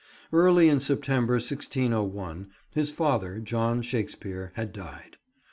Early in September 1601, his father, John Shakespeare, had died.